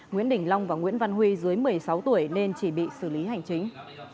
nguyễn đình long và nguyễn văn huy dưới một mươi sáu tuổi nên chỉ bị xử lý hành chính